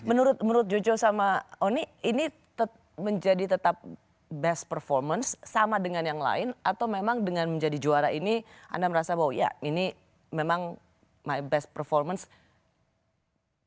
menurut jojo sama oni ini menjadi tetap best performance sama dengan yang lain atau memang dengan menjadi juara ini anda merasa bahwa ya ini memang my best performance